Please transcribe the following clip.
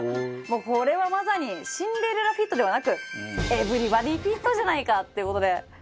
これはまさにシンデレラフィットではなくエブリバディフィットじゃないかっていう事で。